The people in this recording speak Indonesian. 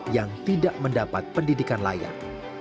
yang tidak mendapat pendidikan layak